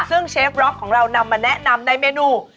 ซึ่งเชฟร็อกของเรานำมาแนะนำในเมนู